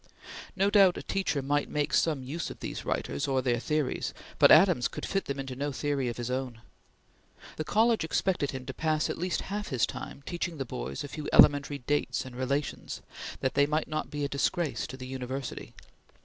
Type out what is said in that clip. No doubt, a teacher might make some use of these writers or their theories; but Adams could fit them into no theory of his own. The college expected him to pass at least half his time teaching the boys a few elementary dates and relations, that they might not be a disgrace to the university.